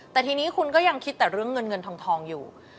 แต่ทีนี้คุณก็ยังคิดแต่เรื่องเงินเงินทองอยู่